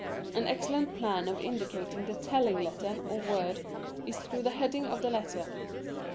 An excellent plan of indicating the telling letter or word is through the heading of the letter.